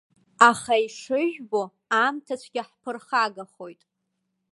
Аха, ишыжәбо, аамҭацәгьа ҳԥырхагахоит.